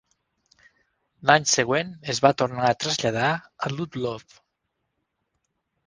L'any següent es va tornar a traslladar a Ludlow.